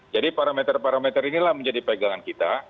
jadi parameter parameter inilah menjadi pegangan kita